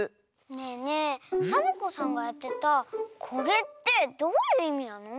ねえねえサボ子さんがやってたこれってどういういみなの？